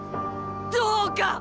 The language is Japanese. どうかっ！